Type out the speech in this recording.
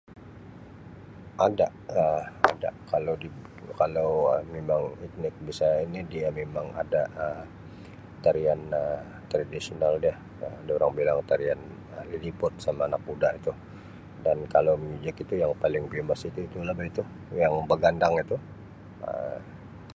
Ada Um kalau di kalau memang etnik besar ini dia memang ada tarian tradisional dia Um orang bilang tarian Um Lilliput sama anak kuda itu dan kalau muzik itu yang paling famous itu lah bah itu yang begandang itu.